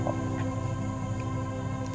aku juga yakin kok